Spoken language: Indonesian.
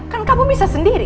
kan kamu bisa sendiri